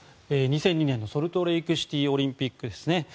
２００２年のソルトレークシティーオリンピックですね。